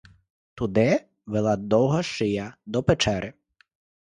Туди вела довга шия до печери.